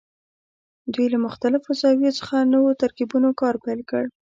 دوی له مختلفو زاویو څخه نوو ترکیبونو کار پیل کړ.